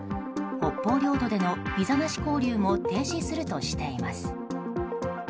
北方領土でのビザなし交流も停止するとしています。